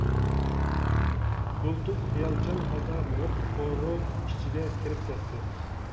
يۇلتۇز خىيالچان ھالدا مېڭىپ قورۇ ئىچىگە كىرىپ كەتتى.